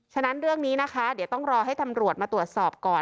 ฉะนั้นเรื่องนี้นะคะเดี๋ยวต้องรอให้ตำรวจมาตรวจสอบก่อน